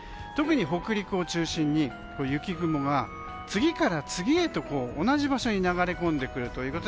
特に北陸を中心に雪雲が次から次へ同じ場所に流れ込んでくる。